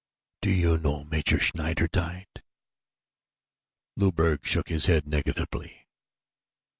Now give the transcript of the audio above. Do you know how Major Schneider died?" Luberg shook his head negatively.